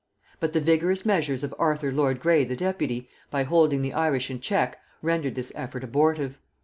But the vigorous measures of Arthur lord Grey the deputy, by holding the Irish in check, rendered this effort abortive.